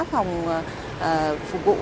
phòng phục vụ